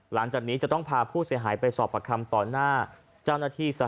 หลังจากนี้จะต้องพาผู้เสียหายไป